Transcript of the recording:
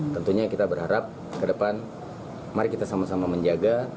tentunya kita berharap ke depan mari kita sama sama menjaga